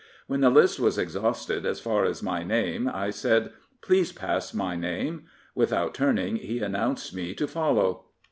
When the list was exhausted as far as my name I said, " Please pass my name." Without turning he announced me to follow.